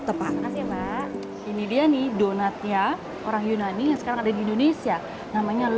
tepat ini dia nih donut ya orang yunani yang sekarang ada di di indonesia ini dalam hal yang